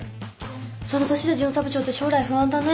その年で巡査部長って将来不安だね？